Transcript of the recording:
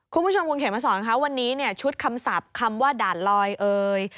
คุณผู้ชมกลงเขตมาสอนล่ะนะครับวันนี้เนี่ยชุดคำสาปคำว่าด่าลอยเอ๋ย